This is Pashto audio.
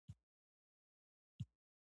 هغه وایي چې د نیکۍ میوه خوږه وي